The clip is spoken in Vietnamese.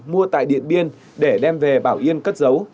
mua tại điện biên để đem về bảo yên cất giấu